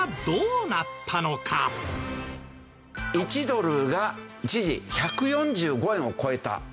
１ドルが一時１４５円を超えた。